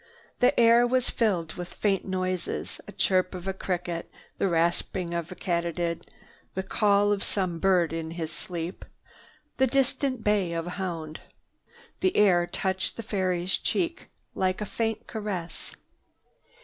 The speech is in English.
The air was filled with faint noises, the chirp of a cricket, the rasping of a katydid, the call of some bird in his sleep, the distant bay of a hound. The air touched the fairy's cheek like a faint caress.